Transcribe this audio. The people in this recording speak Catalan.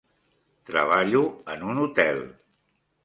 Treballo en un hotel.